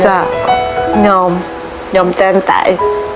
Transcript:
จ้าวยอมยอมแทนตาย